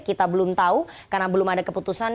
kita belum tahu karena belum ada keputusan